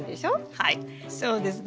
はいそうですね。